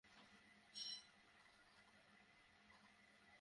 সে আমাকে গুলি করেছিল!